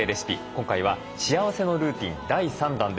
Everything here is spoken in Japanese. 今回は幸せのルーティン第３弾です。